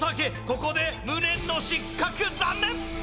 ここで無念の失格残念！